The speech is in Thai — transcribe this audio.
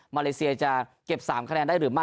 เลเซียจะเก็บ๓คะแนนได้หรือไม่